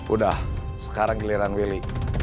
udah sekarang giliran willy